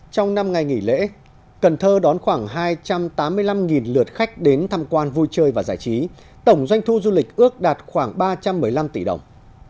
trong năm ngày nghỉ lễ cần thơ đón khoảng hai trăm tám mươi năm lượt khách đến tham quan vui chơi và giải trí tổng doanh thu du lịch ước đạt khoảng ba trăm một mươi năm tỷ đồng